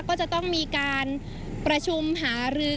ก็จะต้องมีการประชุมหารือ